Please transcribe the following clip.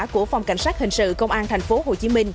của phòng cảnh sát hình sự công an tp hcm